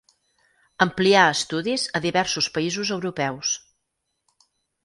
Amplià estudis a diversos països europeus.